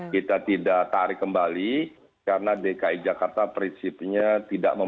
kita tidak tarik kembali karena dki jakarta prinsipnya tidak memiliki